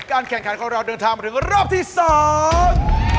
แข่งขันของเราเดินทางมาถึงรอบที่สอง